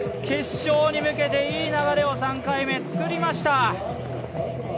決勝に向けていい流れを３回目、作りました。